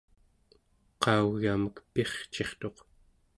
qau͡gyamek pircirtuq